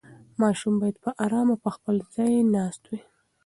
ماشوم باید په ارامه په خپل ځای ناست وای.